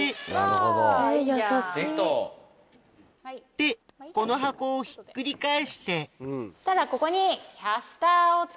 でこの箱をひっくり返してそしたらここに。